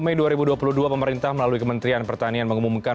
mei dua ribu dua puluh dua pemerintah melalui kementerian pertanian mengumumkan